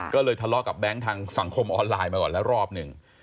ก็เลยทะเลาะกับแบงค์ทางสังคมออนไลน์มาก่อนแล้วรอบหนึ่ง